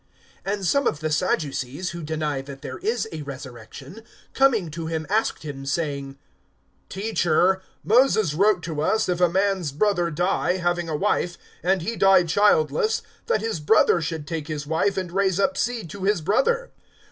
(27)And some of the Sadducees, who deny that there is a resurrection, coming to him, asked him, (28)saying: Teacher, Moses wrote to us, if a man's brother die, having a wife, and he die childless, that his brother should take his wife, and raise up seed to his brother.